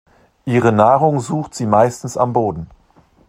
Ihre Nahrung sucht sie meistens am Boden.